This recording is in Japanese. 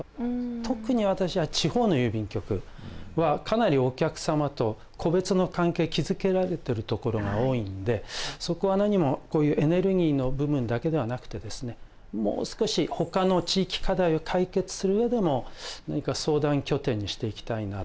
特に私は地方の郵便局はかなりお客様と個別の関係築けられてるところが多いんでそこはなにもこういうエネルギーの部分だけではなくてですねもう少しほかの地域課題を解決する上でも何か相談拠点にしていきたいなと。